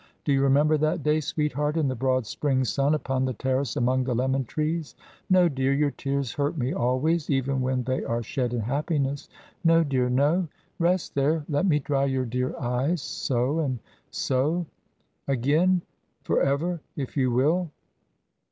Do you remember that day, sweetheart, in the broad spring sun upon the terrace among the lemon trees. No, dear your tears hurt me always, even when they are shed in happiness no, dear, no. Rest there, let me dry your dear eyes so and so. Again? For ever, if you will.